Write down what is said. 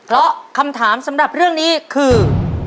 เพราะคำถามสำหรับเรื่องนี้คือ